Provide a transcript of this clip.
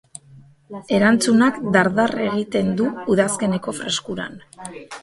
Erantzunak dar-dar egiten du udazkeneko freskuran.